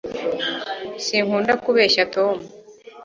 sinkunda kubeshya tom